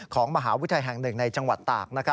ของมหาวิทยาลัยแห่งหนึ่งในจังหวัดตาก